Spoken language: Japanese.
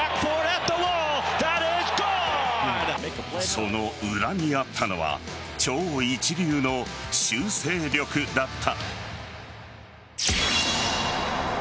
その裏にあったのは超一流の修正力だった。